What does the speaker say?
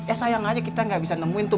eh sayang aja kita gak bisa nemuin tuh